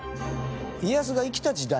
家康が生きた時代